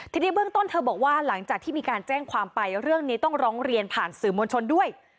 ทีนี้เบื้องต้นเธอบอกว่าหลังจากที่มีการแจ้งความไปเรื่องนี้ต้องร้องเรียนผ่านสื่อมวลชนด้วย